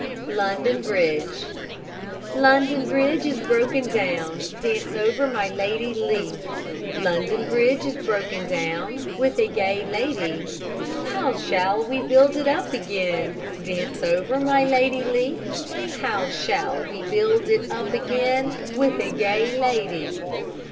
LONDON BRIDGE London Bridge is broken down, Dance over my Lady Lee; London Bridge is broken down, With a gay lady. How shall we build it up again? Dance over my Lady Lee; How shall we build it up again? With a gay lady.